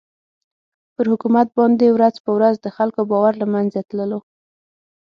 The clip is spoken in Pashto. پر حکومت باندې ورځ په ورځ د خلکو باور له مېنځه تللو.